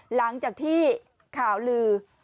หลังจากที่ข่าวลือ